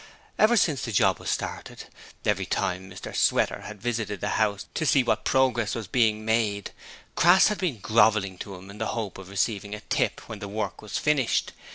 Ever since the job was started, every time Mr Sweater had visited the house to see what progress was being made, Crass had been grovelling to him in the hope of receiving a tip when the work was finished.